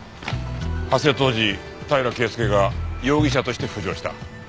発生当時平良圭介が容疑者として浮上した。